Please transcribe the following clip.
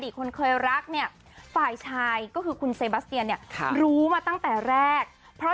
อดีตคนเคยรักฝ่ายชายก็คือคุณเซบาสเตียนรู้มาตั้งแต่แรก